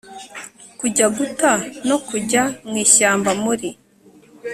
Kujya guta no kujya mwishyamba muri